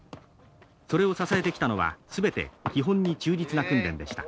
それを支えてきたのは全て基本に忠実な訓練でした。